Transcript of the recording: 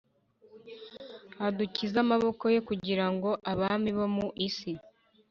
Udukize amaboko ye kugira ngo abami bo mu isi